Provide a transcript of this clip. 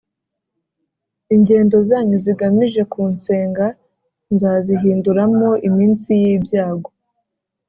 ingendo zanyu zigamije kunsenga nzazihinduramo iminsi y’ibyago,